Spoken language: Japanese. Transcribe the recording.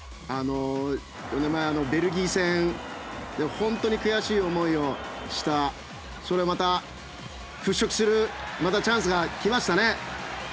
４年前、ベルギー戦で本当に悔しい思いをしたそれをまた払しょくするチャンスが来ましたね。